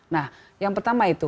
nah yang pertama itu